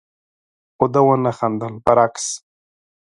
خو ده ونه خندل، برعکس،